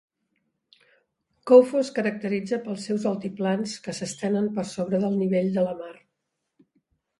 Kouffo es caracteritza pels seus altiplans que s'estenen per sobre del nivell mitjà de la mar.